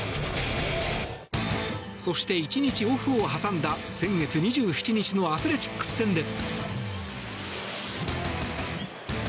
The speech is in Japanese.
そして１日オフを挟んだ先月２７日のアスレチックス戦で。